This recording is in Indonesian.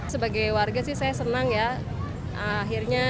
sebagai warga sih saya senang ya akhirnya